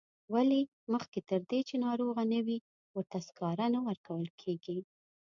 ولې مخکې تر دې چې ناروغه نه وي ورته سکاره نه ورکول کیږي.